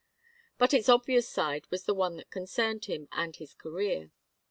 But its obvious side was the one that concerned him and his career.